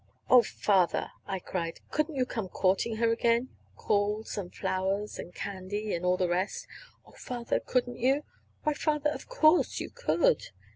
"Oh, Father!" I cried, "couldn't you come courting her again calls and flowers and candy, and all the rest? Oh, Father, couldn't you? Why, Father, of course, you could!"